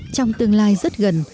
trong tương lai rất gần